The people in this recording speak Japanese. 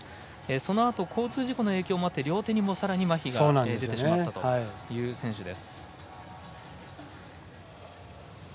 そのあと交通事故の影響もあって両手にもさらにまひが出てしまったという選手です。